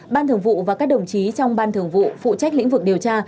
ban thường vụ và các đồng chí trong ban thường vụ phụ trách lĩnh vực điều tra